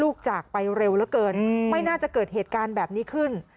จากไปเร็วเหลือเกินไม่น่าจะเกิดเหตุการณ์แบบนี้ขึ้น